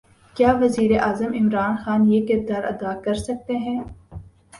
کیا وزیر اعظم عمران خان یہ کردار ادا کر سکتے ہیں؟